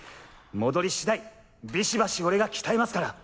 戻り次第ビシバシ俺が鍛えますから。